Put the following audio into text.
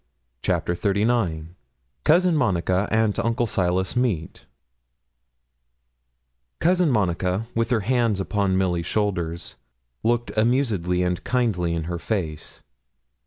CHAPTER XXXIX COUSIN MONICA AND UNCLE SILAS MEET Cousin Monica, with her hands upon Milly's shoulders, looked amusedly and kindly in her face.